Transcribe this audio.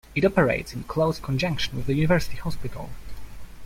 It operates in close conjunction with the university hospital.